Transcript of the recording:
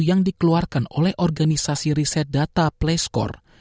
yang dikeluarkan oleh organisasi riset data placecore